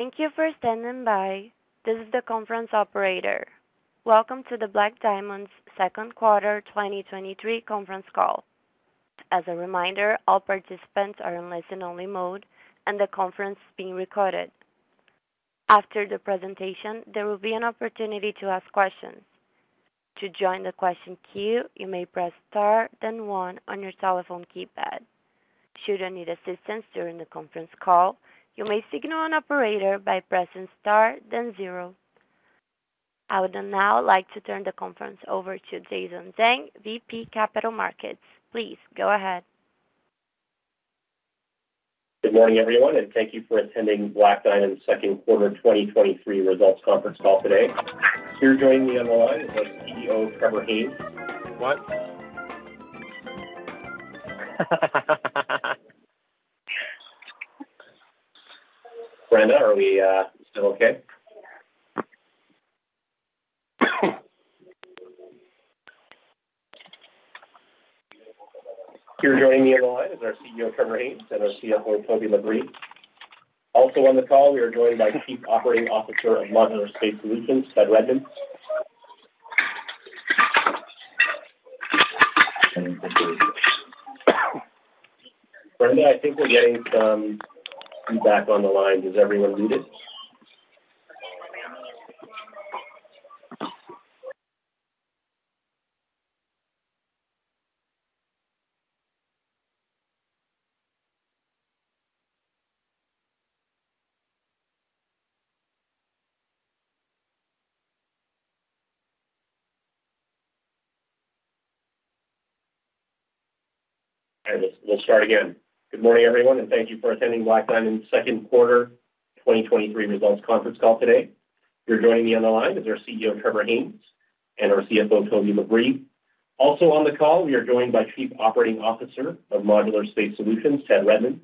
Thank you for standing by. This is the conference operator. Welcome to the Black Diamond's second quarter 2023 conference call. As a reminder, all participants are in listen-only mode, and the conference is being recorded. After the presentation, there will be an opportunity to ask questions. To join the question queue, you may press Star, then one on your telephone keypad. Should you need assistance during the conference call, you may signal an operator by pressing Star, then zero. I would now like to turn the conference over to Jason Zhang, VP, Capital Markets. Please go ahead. Good morning, everyone, and thank you for attending Black Diamond's second quarter 2023 results conference call today. Here joining me on the line is CEO, Trevor Haynes. What? Brenda, are we still okay? Here joining me on the line is our CEO, Trevor Haynes, and our CFO, Toby de Vries. Also on the call, we are joined by Chief Operating Officer of Modular Space Solutions, Ted Redmond. Brenda, I think we're getting some feedback on the line. Is everyone muted? Okay, we'll start again. Good morning, everyone, and thank you for attending Black Diamond's 2Q 2023 results conference call today. Here joining me on the line is our CEO, Trevor Haynes, and our CFO, Toby de Vries. Also on the call, we are joined by Chief Operating Officer of Modular Space Solutions, Ted Redmond,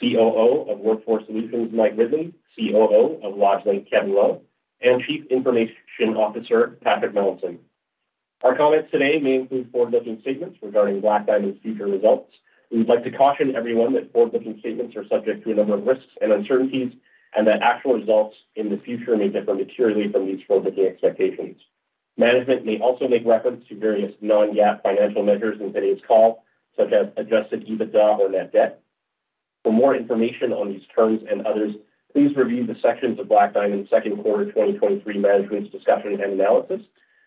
COO of Workforce Solutions, Mike Ridley, COO of LodgeLink, Kevin Lo, and Chief Information Officer, Patrick Melanson. Our comments today may include forward-looking statements regarding Black Diamond's future results. We'd like to caution everyone that forward-looking statements are subject to a number of risks and uncertainties, and that actual results in the future may differ materially from these forward-looking expectations. Management may also make reference to various non-GAAP financial measures in today's call, such as Adjusted EBITDA or net debt. For more information on these terms and others, please review the sections of Black Diamond Group's second quarter 2023 Management's Discussion and Analysis,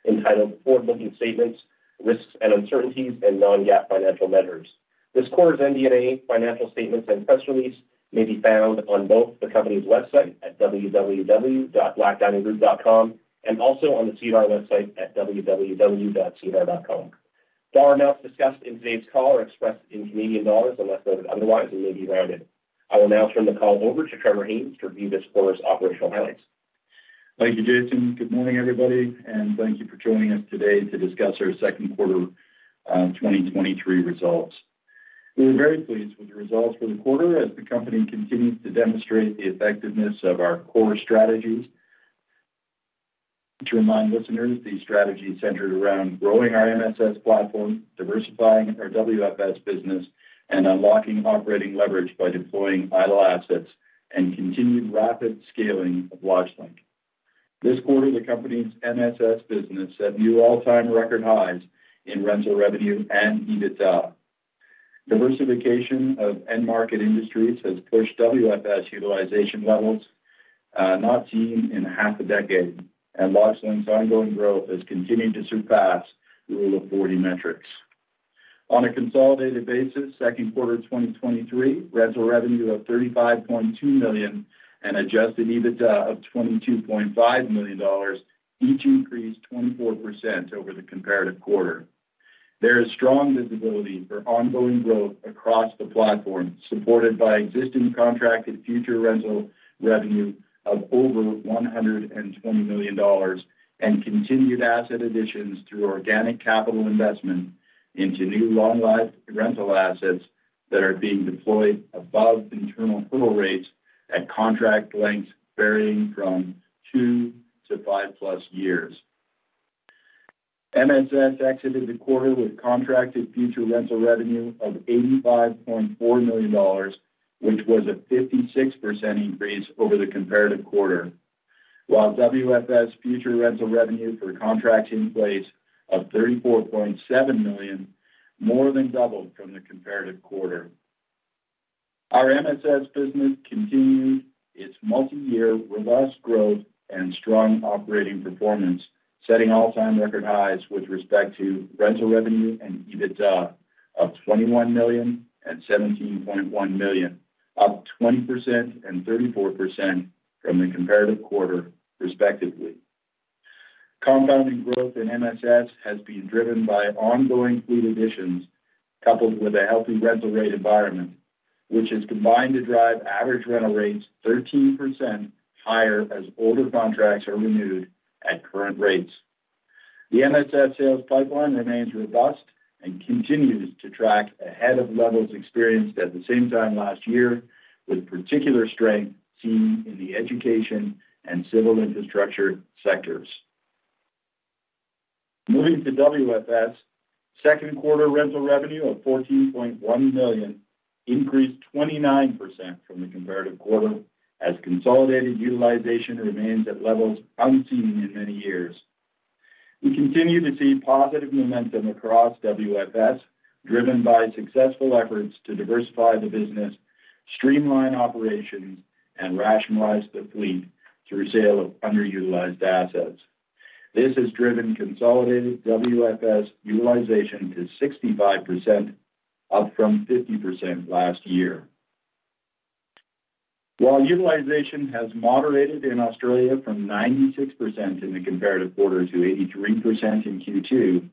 entitled Forward-Looking Statements, Risks and Uncertainties and Non-GAAP Financial Measures. This quarter's MD&A financial statements and press release may be found on both the company's website at www.blackdiamondgroup.com, and also on the SEDAR website at www.sedar.com. Dollar amounts discussed in today's call are expressed in Canadian dollars, unless noted otherwise, and may be rounded. I will now turn the call over to Trevor Haynes to review this quarter's operational highlights. Thank you, Jason. Good morning, everybody, and thank you for joining us today to discuss our second quarter 2023 results. We are very pleased with the results for the quarter as the company continues to demonstrate the effectiveness of our core strategies. To remind listeners, these strategies centered around growing our MSS platform, diversifying our WFS business, and unlocking operating leverage by deploying idle assets and continued rapid scaling of LodgeLink. This quarter, the company's MSS business set new all-time record highs in rental revenue and EBITDA. Diversification of end-market industries has pushed WFS utilization levels not seen in half a decade, and LodgeLink's ongoing growth has continued to surpass the Rule of 40 metrics. On a consolidated basis, second quarter 2023, rental revenue of 35.2 million and Adjusted EBITDA of 22.5 million dollars, each increased 24% over the comparative quarter. There is strong visibility for ongoing growth across the platform, supported by existing contracted future rental revenue of over $120 million, and continued asset additions through organic capital investment into new long-life rental assets that are being deployed above internal hurdle rates at contract lengths varying from 2 to 5+ years. MSS exited the quarter with contracted future rental revenue of $85.4 million, which was a 56% increase over the comparative quarter, while WFS future rental revenue for contracts in place of 34.7 million, more than doubled from the comparative quarter. Our MSS business continued its multi-year robust growth and strong operating performance, setting all-time record highs with respect to rental revenue and EBITDA of 21 million and 17.1 million, up 20% and 34% from the comparative quarter, respectively. Compounding growth in MSS has been driven by ongoing fleet additions, coupled with a healthy rental rate environment, which has combined to drive average rental rates 13% higher as older contracts are renewed at current rates. The MSS sales pipeline remains robust and continues to track ahead of levels experienced at the same time last year, with particular strength seen in the education and civil infrastructure sectors. Moving to WFS, second quarter rental revenue of 14.1 million increased 29% from the comparative quarter, as consolidated utilization remains at levels unseen in many years. We continue to see positive momentum across WFS, driven by successful efforts to diversify the business, streamline operations, and rationalize the fleet through sale of underutilized assets. This has driven consolidated WFS utilization to 65%, up from 50% last year. While utilization has moderated in Australia from 96% in the comparative quarter to 83% in Q2,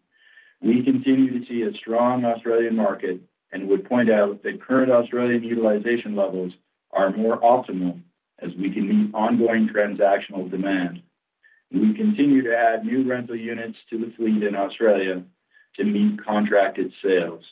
we continue to see a strong Australian market and would point out that current Australian utilization levels are more optimal as we can meet ongoing transactional demand. We continue to add new rental units to the fleet in Australia to meet contracted sales.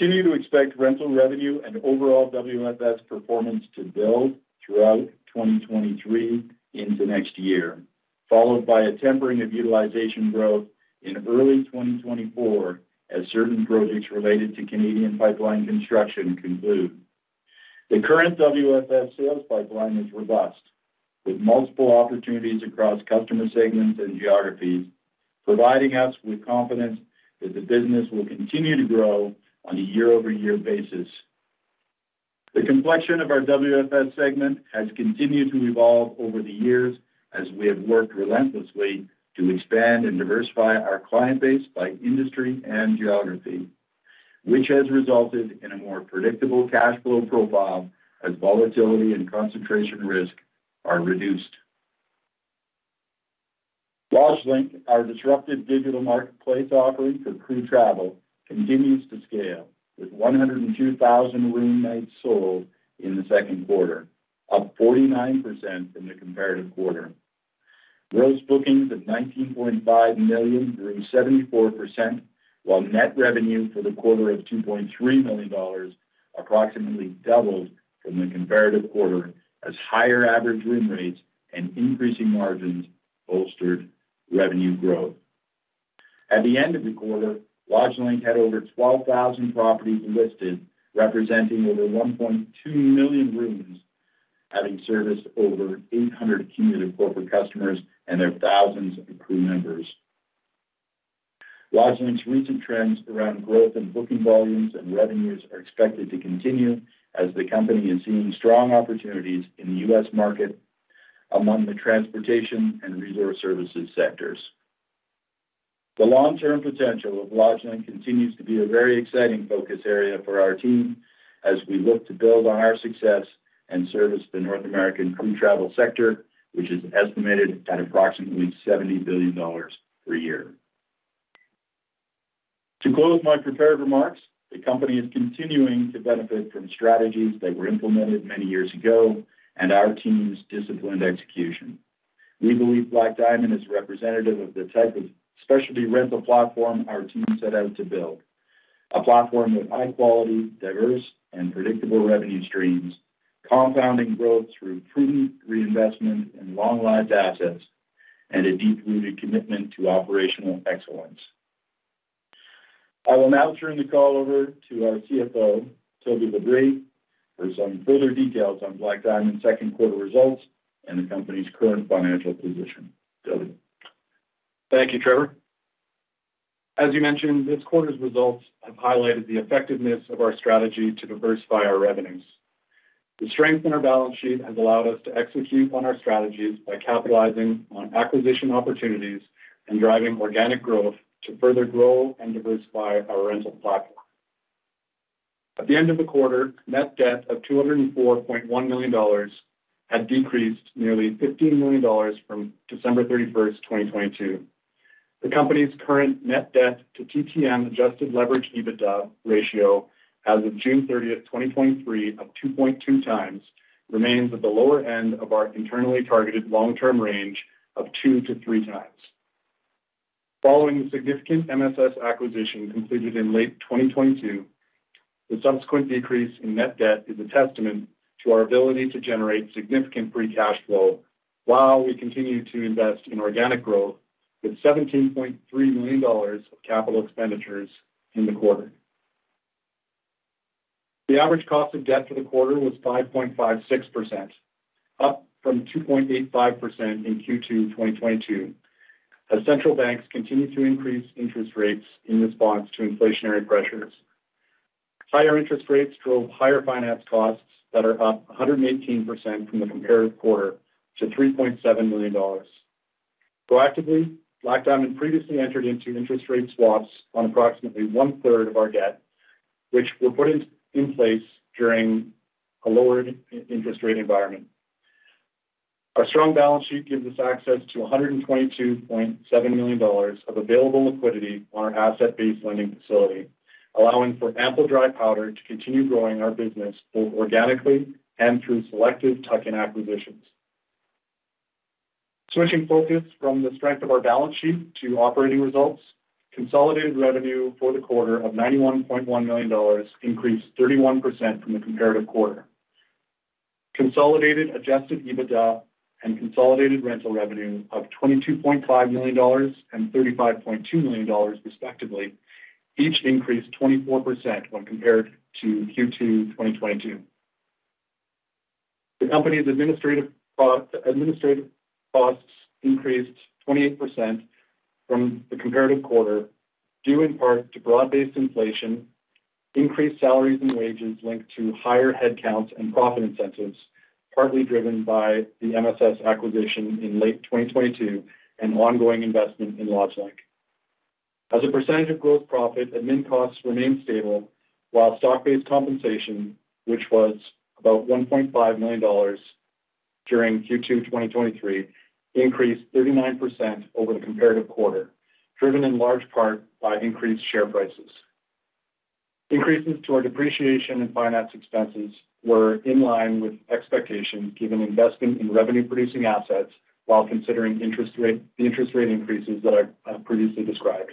We continue to expect rental revenue and overall WFS performance to build throughout 2023 into next year, followed by a tempering of utilization growth in early 2024 as certain projects related to Canadian pipeline construction conclude. The current WFS sales pipeline is robust, with multiple opportunities across customer segments and geographies, providing us with confidence that the business will continue to grow on a year-over-year basis. The complexion of our Workforce Solutions segment has continued to evolve over the years as we have worked relentlessly to expand and diversify our client base by industry and geography, which has resulted in a more predictable cash flow profile as volatility and concentration risk are reduced. LodgeLink, our disruptive digital marketplace offering for crew travel, continues to scale, with 102,000 room nights sold in the second quarter, up 49% from the comparative quarter. Gross bookings of 19.5 million grew 74%, while net revenue for the quarter of $2.3 million approximately doubled from the comparative quarter, as higher average room rates and increasing margins bolstered revenue growth. At the end of the quarter, LodgeLink had over 12,000 properties listed, representing over 1.2 million rooms, having serviced over 800 cumulative corporate customers and their thousands of crew members. LodgeLink's recent trends around growth in booking volumes and revenues are expected to continue as the company is seeing strong opportunities in the U.S. market among the transportation and resource services sectors. The long-term potential of LodgeLink continues to be a very exciting focus area for our team as we look to build on our success and service the North American crew travel sector, which is estimated at approximately $70 billion per year. To close my prepared remarks, the company is continuing to benefit from strategies that were implemented many years ago and our team's disciplined execution. We believe Black Diamond is representative of the type of specialty rental platform our team set out to build. A platform with high quality, diverse, and predictable revenue streams, compounding growth through prudent reinvestment in long-lived assets, and a deep-rooted commitment to operational excellence. I will now turn the call over to our CFO, Toby deVries Thank you, Trevor. As you mentioned, this quarter's results have highlighted the effectiveness of our strategy to diversify our revenues. The strength in our balance sheet has allowed us to execute on our strategies by capitalizing on acquisition opportunities and driving organic growth to further grow and diversify our rental platform. At the end of the quarter, net debt of 204.1 million dollars had decreased nearly 15 million dollars from December 31, 2022. The company's current net debt to TTM Adjusted EBITDA ratio as of June 30, 2023, of 2.2 times, remains at the lower end of our internally targeted long-term range of two-three times. Following the significant MSS acquisition completed in late 2022, the subsequent decrease in net debt is a testament to our ability to generate significant free cash flow while we continue to invest in organic growth, with 17.3 million dollars of capital expenditures in the quarter. The average cost of debt for the quarter was 5.56%, up from 2.85% in Q2 2022, as central banks continued to increase interest rates in response to inflationary pressures. Higher interest rates drove higher finance costs that are up 118% from the comparative quarter to 3.7 million dollars. Proactively, Black Diamond previously entered into interest rate swaps on approximately one-third of our debt, which were put in place during a lower interest rate environment. Our strong balance sheet gives us access to 122.7 million dollars of available liquidity on our asset-based lending facility, allowing for ample dry powder to continue growing our business, both organically and through selective tuck-in acquisitions. Switching focus from the strength of our balance sheet to operating results, consolidated revenue for the quarter of 91.1 million dollars increased 31% from the comparative quarter.... consolidated Adjusted EBITDA and consolidated rental revenue of $22.5 million and $35.2 million, respectively, each increased 24% when compared to Q2 2022. The company's administrative costs, administrative costs increased 28% from the comparative quarter, due in part to broad-based inflation, increased salaries and wages linked to higher headcounts and profit incentives, partly driven by the MSS acquisition in late 2022 and ongoing investment in LodgeLink. As a percentage of gross profit, admin costs remained stable, while stock-based compensation, which was about $1.5 million during Q2 2023, increased 39% over the comparative quarter, driven in large part by increased share prices. Increases to our depreciation and finance expenses were in line with expectations, given investing in revenue-producing assets while considering the interest rate increases that I, I previously described.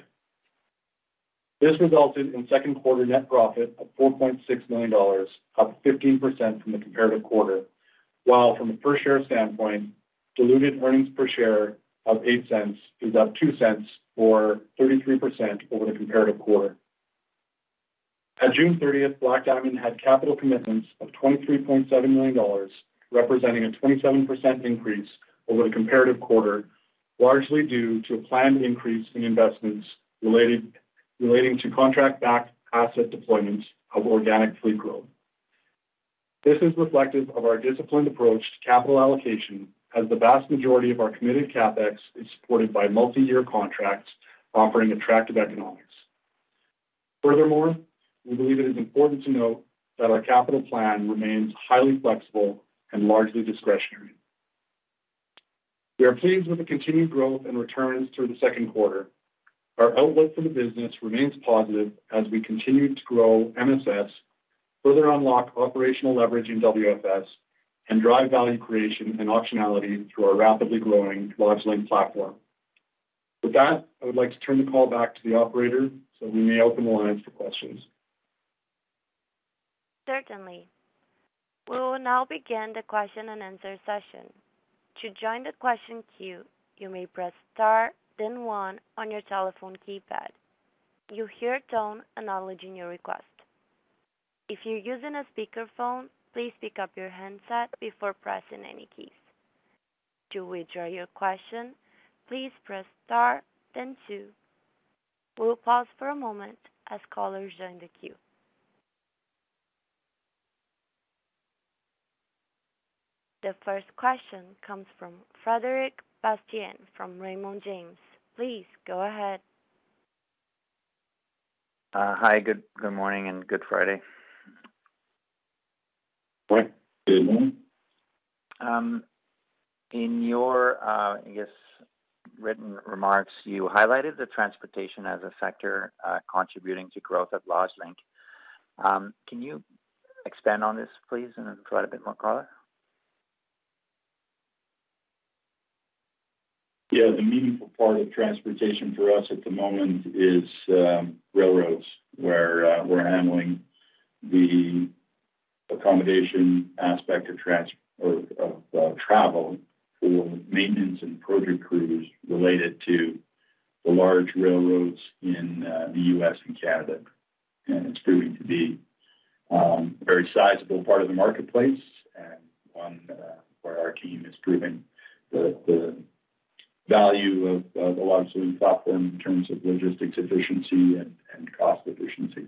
This resulted in second quarter net profit of 4.6 million dollars, up 15% from the comparative quarter, while from a per share standpoint, diluted earnings per share of 0.08 is up 0.02, or 33%, over the comparative quarter. At June 30th, Black Diamond had capital commitments of 23.7 million dollars, representing a 27% increase over the comparative quarter, largely due to a planned increase in investments relating to contract-backed asset deployments of organic fleet growth. This is reflective of our disciplined approach to capital allocation, as the vast majority of our committed CapEx is supported by multi-year contracts offering attractive economics. We believe it is important to note that our capital plan remains highly flexible and largely discretionary. We are pleased with the continued growth in returns through the second quarter. Our outlook for the business remains positive as we continue to grow MSS, further unlock operational leverage in WFS, and drive value creation and optionality through our rapidly growing LodgeLink platform. With that, I would like to turn the call back to the operator, so we may open the lines for questions. Certainly. We will now begin the question-and-answer session. To join the question queue, you may press star, then one on your telephone keypad. You'll hear a tone acknowledging your request. If you're using a speakerphone, please pick up your handset before pressing any keys. To withdraw your question, please press star, then two. We'll pause for a moment as callers join the queue. The first question comes from Frédéric Bastien from Raymond James. Please go ahead. Hi, good, good morning and good Friday. Good morning. In your, I guess, written remarks, you highlighted the transportation as a factor, contributing to growth at LodgeLink. Can you expand on this, please, and provide a bit more color? Yeah. The meaningful part of transportation for us at the moment is railroads, where we're handling the accommodation aspect of travel for maintenance and project crews related to the large railroads in the U.S. and Canada. It's proving to be a very sizable part of the marketplace and one where our team is driven the, the value of, of the LodgeLink platform in terms of logistics efficiency and, and cost efficiency.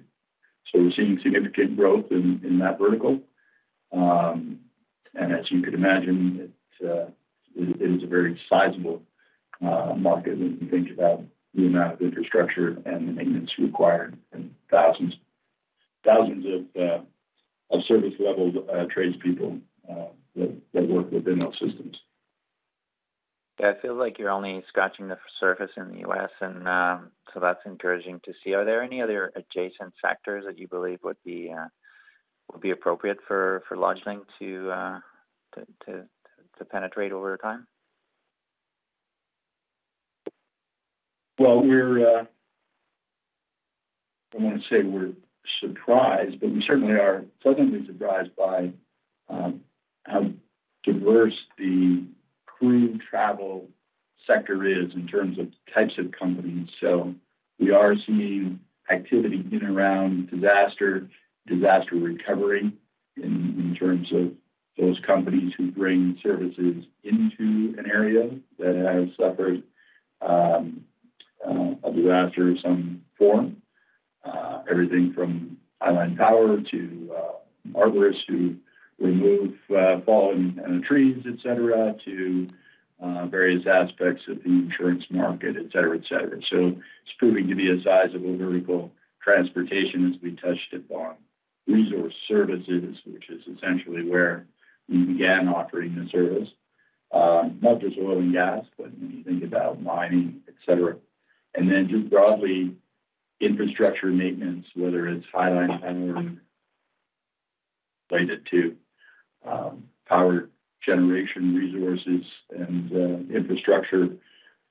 We're seeing significant growth in, in that vertical. As you could imagine, it is a very sizable market when you think about the amount of infrastructure and the maintenance required and thousands, thousands of, of service-level, tradespeople, that, that work within those systems. Yeah, it feels like you're only scratching the surface in the US, and so that's encouraging to see. Are there any other adjacent factors that you believe would be appropriate for LodgeLink to penetrate over time? Well, we're I wouldn't say we're surprised, but we certainly are pleasantly surprised by how diverse the crew travel sector is in terms of the types of companies. We are seeing activity in and around disaster, disaster recovery, in, in terms of those companies who bring services into an area that has suffered a disaster of some form. Everything from highline power to arborists who remove fallen trees, et cetera, to various aspects of the insurance market, et cetera, et cetera. It's proving to be a sizable vertical transportation, as we touched upon. Resource services, which is essentially where we began offering the service, not just oil and gas, but when you think about mining, et cetera. Just broadly, infrastructure maintenance, whether it's highline power related to power generation resources and infrastructure,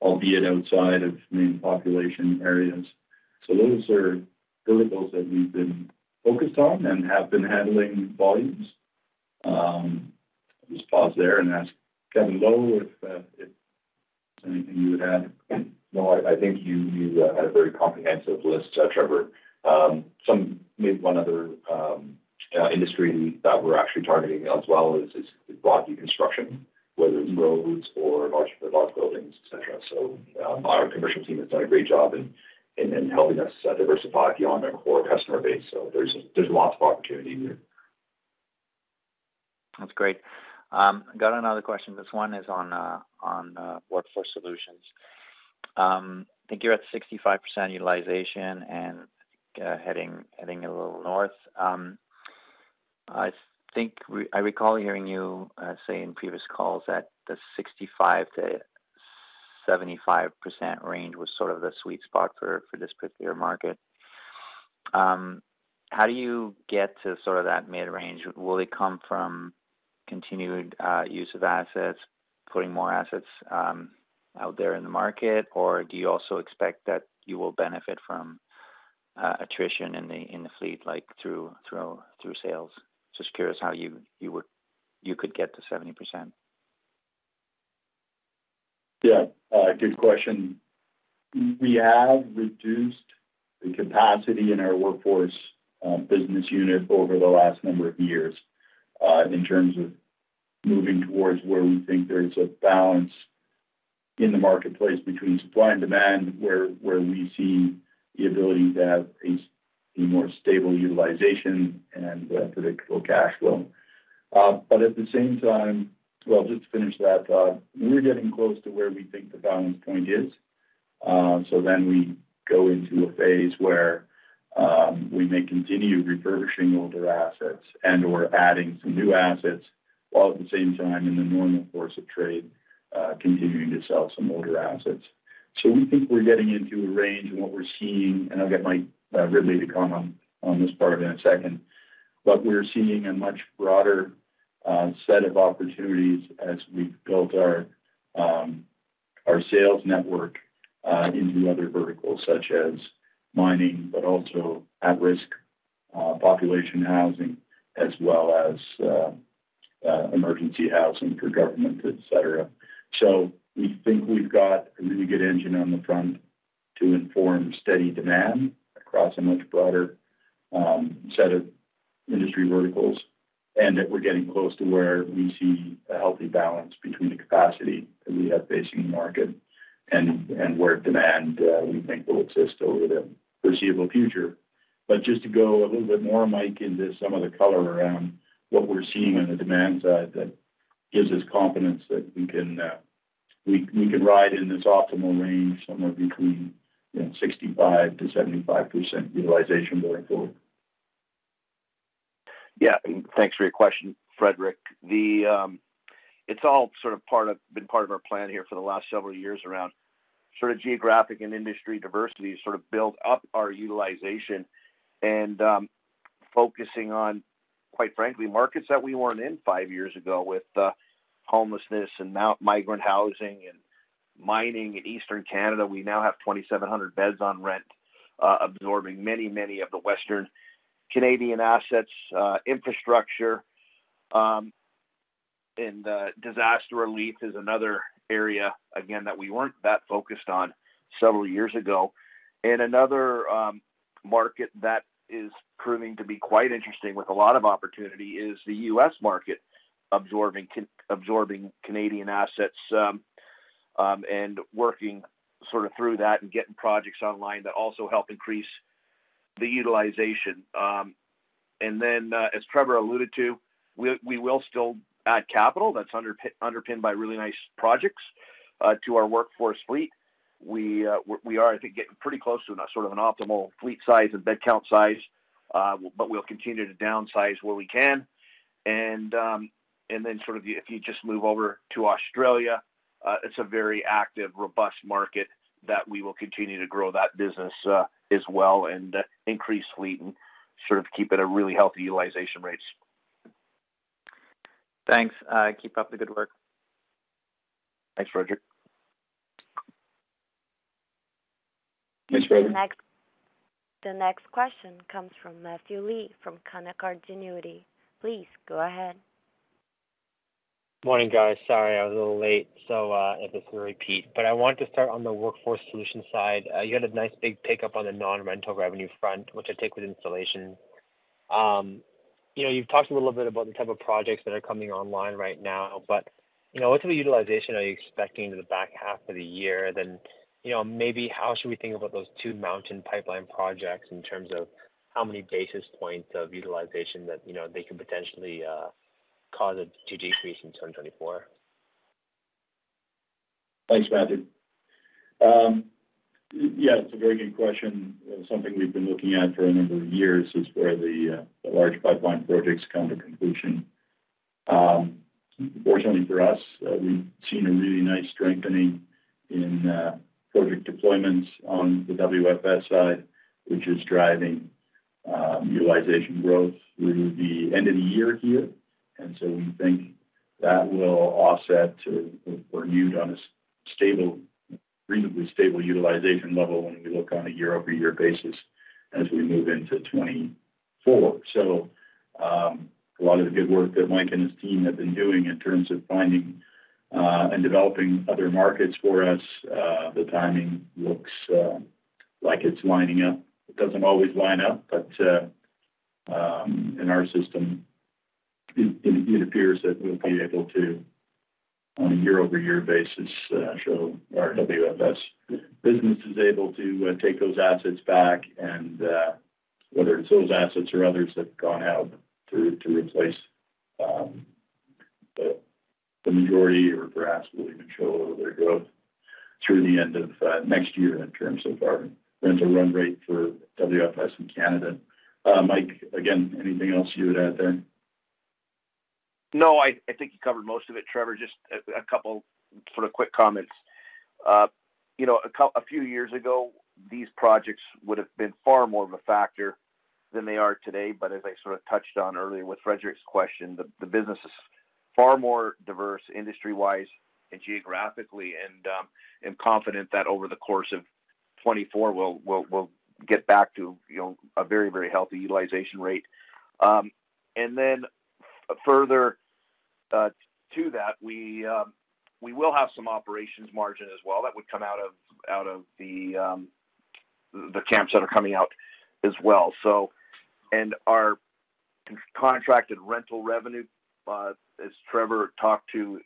albeit outside of main population areas. Those are verticals that we've been focused on and have been handling volumes. Just pause there and ask Kevin Lo if there's anything you would add? No, I, I think you, you had a very comprehensive list, Trevor. Maybe one other industry that we're actually targeting as well is broadly construction, whether it's roads or large, large buildings, et cetera. Our commercial team has done a great job in, in, in helping us diversify beyond our core customer base. There's, there's lots of opportunity here. That's great. Got another question. This one is on Workforce Solutions. I think you're at 65% utilization and heading, heading a little north. I think I recall hearing you say in previous calls that the 65%-75% range was sort of the sweet spot for this particular market. How do you get to sort of that mid-range? Will it come from continued use of assets, putting more assets out there in the market? Or do you also expect that you will benefit from attrition in the fleet, like through, through, through sales? Just curious how you could get to 70%. Yeah, good question. We have reduced the capacity in our Workforce business unit over the last number of years in terms of moving towards where we think there is a balance in the marketplace between supply and demand, where, where we see the ability to have a more stable utilization and predictable cash flow. Well, just to finish that thought, we're getting close to where we think the balance point is. We go into a phase where we may continue refurbishing older assets and/or adding some new assets, while at the same time, in the normal course of trade, continuing to sell some older assets. We think we're getting into a range and what we're seeing, and I'll get Mike Ridley to comment on this part in a second. We're seeing a much broader set of opportunities as we've built our sales network into other verticals such as mining, but also at-risk population housing, as well as emergency housing for government, et cetera. We think we've got a really good engine on the front to inform steady demand across a much broader set of industry verticals, and that we're getting close to where we see a healthy balance between the capacity that we have facing the market and where demand we think will exist over the foreseeable future. Just to go a little bit more, Mike, into some of the color around what we're seeing on the demand side, that gives us confidence that we can we can ride in this optimal range, somewhere between 65%-75% utilization going forward. Yeah. Thanks for your question, Frederic. The... It's all sort of part of-- been part of our plan here for the last several years around sort of geographic and industry diversity to sort of build up our utilization and focusing on, quite frankly, markets that we weren't in five years ago with homelessness and now migrant housing and mining in Eastern Canada. We now have 2,700 beds on rent, absorbing many, many of the Western Canadian assets, infrastructure. Disaster relief is another area, again, that we weren't that focused on several years ago. Another market that is proving to be quite interesting with a lot of opportunity is the U.S. market, absorbing Canadian assets and working sort of through that and getting projects online that also help increase the utilization. Then, as Trevor alluded to, we, we will still add capital that's underpinned by really nice projects, to our Workforce Solutions fleet. We, we are, I think, getting pretty close to sort of an optimal fleet size and bed count size, but we'll continue to downsize where we can. Then sort of if you just move over to Australia, it's a very active, robust market that we will continue to grow that business, as well and increase fleet and sort of keep it a really healthy utilization rates. Thanks. Keep up the good work. Thanks, Frédéric. Thanks, Frederic. The next question comes from Matthew Lee from Canaccord Genuity. Please go ahead. Morning, guys. Sorry, I was a little late, so, if this is a repeat. I wanted to start on the Workforce Solutions side. You had a nice big pickup on the non-rental revenue front, which I take with installation. You know, you've talked a little bit about the type of projects that are coming online right now, but, you know, what type of utilization are you expecting in the back half of the year? You know, maybe how should we think about those two mountain pipeline projects in terms of how many basis points of utilization that, you know, they could potentially, cause a to decrease in 2024? Thanks, Matthew. Yeah, it's a very good question. Something we've been looking at for a number of years is where the large pipeline projects come to conclusion. Fortunately for us, we've seen a really nice strengthening in project deployments on the WFS side, which is driving utilization growth through the end of the year here. We think that will offset to, or mute on a stable, reasonably stable utilization level when we look on a year-over-year basis as we move into 2024. A lot of the good work that Mike and his team have been doing in terms of finding and developing other markets for us, the timing looks like it's lining up. It doesn't always line up, but, in our system, it appears that we'll be able to, on a year-over-year basis, show our WFS business is able to, take those assets back and, whether it's those assets or others that have gone out to, to replace, the majority or perhaps really control over their growth through the end of next year in terms of our rental run rate for WFS in Canada. Mike, again, anything else you would add there? No, I, I think you covered most of it, Trevor. Just a couple sort of quick comments. you know, a few years ago, these projects would have been far more of a factor than they are today. As I sort of touched on earlier with Frederic's question, the, the business is far more diverse industry-wise and geographically, and, I'm confident that over the course of 2024, we'll, we'll, we'll get back to, you know, a very, very healthy utilization rate. Further, to that, we, we will have some operations margin as well that would come out of, out of the, the camps that are coming out as well, so. Our contracted rental revenue, as Trevor talked to,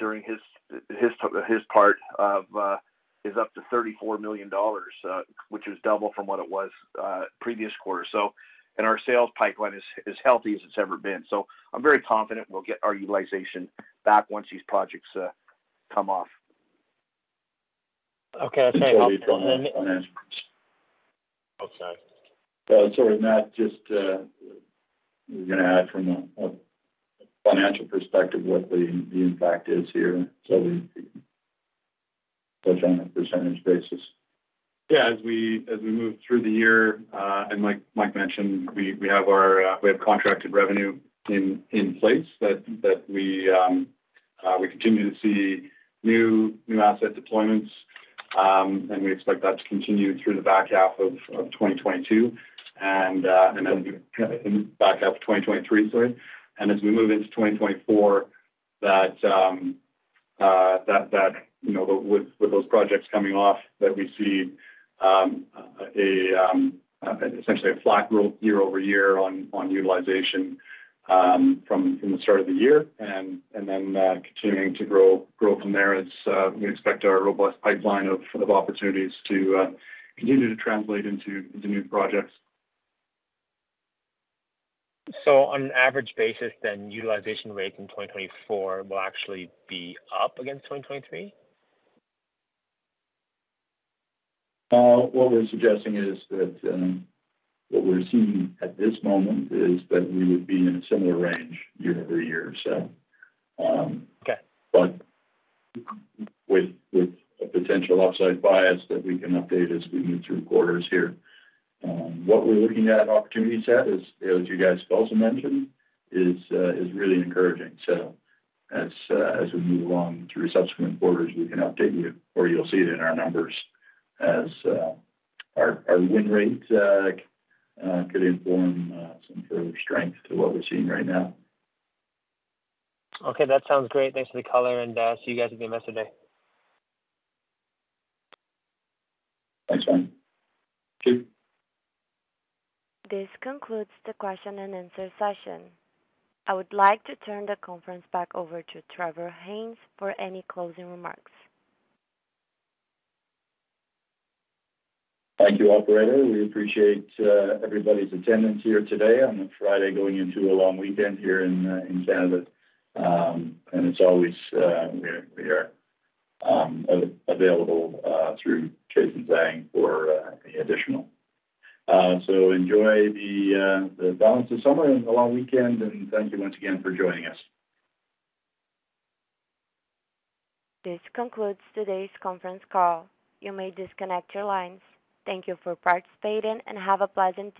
during his part of, is up to 34 million dollars, which is double from what it was previous quarter, so. Our sales pipeline is healthy as it's ever been, so I'm very confident we'll get our utilization back once these projects come off. Okay, I'll tell you- Sorry, Matt, just, you're gonna add from a financial perspective what the impact is here, so we touch on a percentage basis. Yeah. As we, as we move through the year, and like Mike mentioned, we, we have our, we have contracted revenue in, in place that, that we, we continue to see new, new asset deployments. We expect that to continue through the back half of, of 2022 and, and then back half of 2023, sorry. As we move into 2024, that, that, that, you know, with, with those projects coming off, that we see, a, essentially a flat growth year-over-year on, on utilization, from, from the start of the year and, and then, continuing to grow, grow from there as, we expect our robust pipeline of, of opportunities to, continue to translate into, into new projects. On an average basis, then, utilization rates in 2024 will actually be up against 2023? What we're suggesting is that, what we're seeing at this moment is that we would be in a similar range year-over-year. Okay. With, with a potential upside bias that we can update as we move through quarters here. What we're looking at in opportunities, Matt, is, as you guys also mentioned, is really encouraging. As we move along through subsequent quarters, we can update you or you'll see it in our numbers as our, our win rates could inform some further strength to what we're seeing right now. Okay, that sounds great. Thanks for the color. See you guys at the investor day. Thanks, Matt. Thank you. This concludes the question and answer session. I would like to turn the conference back over to Trevor Haynes for any closing remarks. Thank you, operator. We appreciate everybody's attendance here today on a Friday, going into a long weekend here in Canada. And as always, we are, we are available through Jason Zhang for any additional. So enjoy the balance of summer and the long weekend, and thank you once again for joining us. This concludes today's conference call. You may disconnect your lines. Thank you for participating, and have a pleasant day.